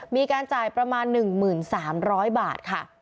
มีการจ่ายประมาณ๑หมื่น๓๐๐บาท